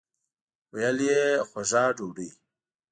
ویل یې خوږه ډوډۍ.